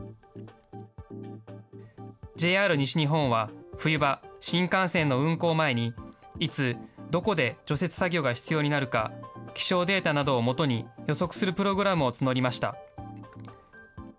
ＪＲ西日本は、冬場、新幹線の運行前に、いつ、どこで除雪作業が必要になるか、気象データなどをもとに、予測するプログラムを募りました。